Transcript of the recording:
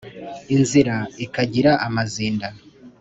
inzira ikagira amazinda